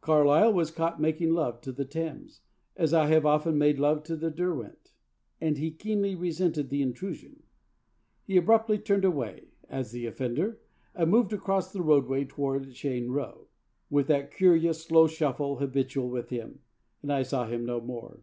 Carlyle was caught making love to the Thames, as I have often made love to the Derwent, and he keenly resented the intrusion. 'He abruptly turned away,' adds the offender, 'and moved across the roadway toward Cheyne Row, with that curious slow shuffle habitual with him, and I saw him no more.'